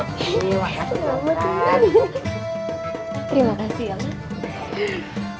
terima kasih ya